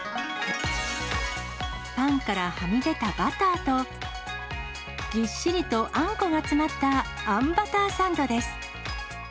パンからはみ出たバターと、ぎっしりとあんこが詰まったあんバターサンドです。